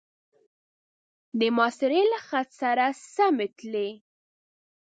د محاصرې له خط سره سمې تلې.